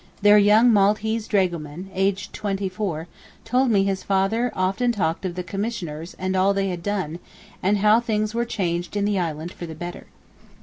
Their young Maltese dragoman, aged twenty four, told me his father often talked of 'the Commissioners' and all they had done, and how things were changed in the island for the better.